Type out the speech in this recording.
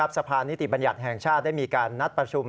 สะพานนิติบัญญัติแห่งชาติได้มีการนัดประชุม